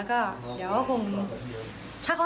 แค้น๕๐จัง